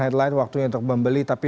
headline waktunya untuk membeli tapi